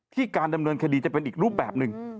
การดำเนินคดีจะเป็นอีกรูปแบบหนึ่ง